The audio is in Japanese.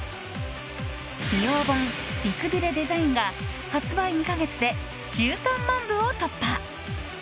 美容本「美くびれデザイン」が発売２か月で１３万部を突破！